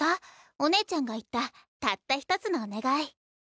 お姉ちゃんが言ったたった一つのお願い。